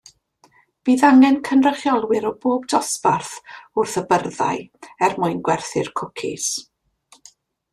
Bydd angen cynrychiolwyr o bob dosbarth wrth y byrddau er mwyn gwerthu'r cwcis.